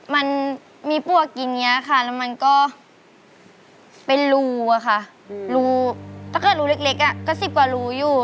มันมีปวกกินอย่างนี้ค่ะแล้วมันก็เป็นรูอะค่ะรูถ้าเกิดรูเล็กก็๑๐กว่ารูอยู่